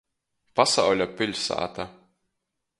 Pasauļa piļsāta.